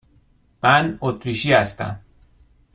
من اتریشی هستم.